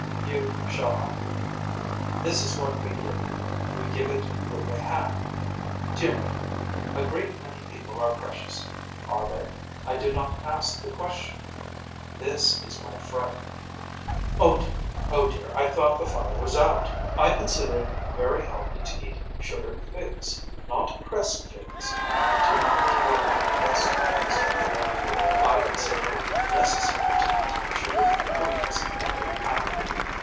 You shall have it. This is what we give. We give it with a hat. Dear me. A great many people are precious. Are they. I do not ask the question. This is my fright. Oh dear Oh dear I thought the fire was out. I consider it very healthy to eat sugared figs not pressed figs I do not care for pressed figs. I consider it necessary to eat sugared prunes and an apple.